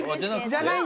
じゃない